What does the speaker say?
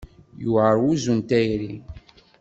Yewɛaṛ wuzzu n tayri.